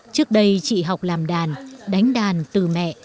trước đây chị học làm đàn đánh đàn từ mẹ